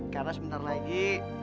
karena sebentar lagi